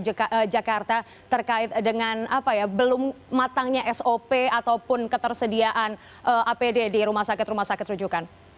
di jakarta terkait dengan apa ya belum matangnya sop ataupun ketersediaan apd di rumah sakit rumah sakit rujukan